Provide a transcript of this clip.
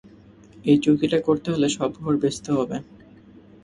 এই চুক্তিটা করতে হলে সব ঘর বেঁচতে হবে।